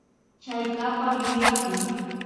Chaykapan yuyaku